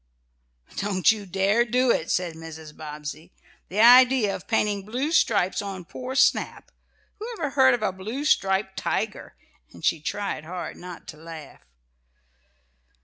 "Don't you dare do it," said Mrs. Bobbsey, "The idea of painting blue stripes on poor Snap! Whoever heard of a blue striped tiger?" and she tried hard not to laugh.